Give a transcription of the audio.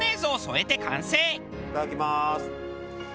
いただきます。